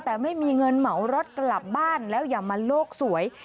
แต่ไม่มีเงินเหมารถกลับบ้านแล้วอย่ามาโลกสวย